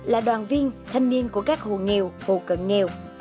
là đoàn viên thanh niên của các hồ nghèo hồ cận nghèo